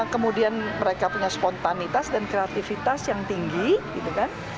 kemudian mereka punya spontanitas dan kreativitas yang tinggi gitu kan